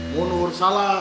bu nur salah